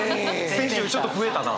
先週よりちょっと増えたな。